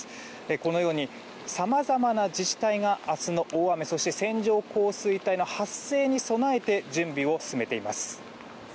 このようにさまざまな自治体が明日の大雨そして線状降水帯の発生に備えて準備を進めています。